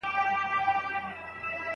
بریالي کسان به خپلي ملګرتیاوې پالي.